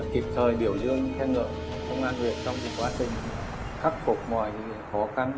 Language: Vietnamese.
kịp thời biểu dương khen ngợi công an huyện trong quá trình khắc phục mọi khó khăn